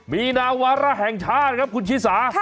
มีนาวาระแห่งชาติครับคุณชิสา